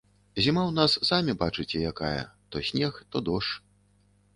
Зіма ў нас самі бачыце якая, то снег, то дождж.